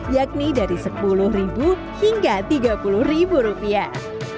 yakni dari sepuluh hingga tiga puluh rupiah